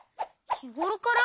ひごろから？